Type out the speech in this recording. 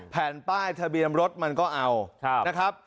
แผ่นป้ายทะเบียนรถมันก็เอานะครับ